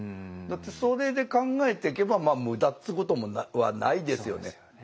だってそれで考えていけば無駄っつうことはないですよね。